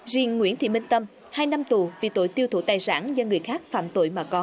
riêng nguyễn thị minh tâm hai năm tù vì tội tiêu thụ tài sản do người khác phạm tội mà có